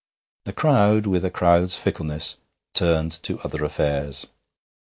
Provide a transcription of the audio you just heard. The crowd, with a crowd's fickleness, turned to other affairs.